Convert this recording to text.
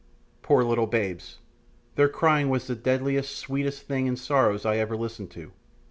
Poor little babes! their crying was the deadliest, sweetest thing in sorrows I ever listened to.